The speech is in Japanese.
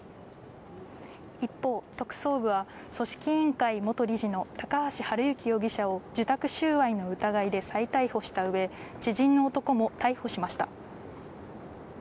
一方、特捜部は、組織委員会元理事の高橋治之容疑者を受託収賄の疑いで再逮捕したうえ、知人の男も逮捕しました。